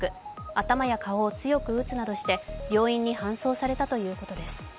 頭や顔を強く打つなどして病院に搬送されたということです。